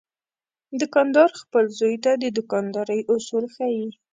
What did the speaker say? دوکاندار خپل زوی ته د دوکاندارۍ اصول ښيي.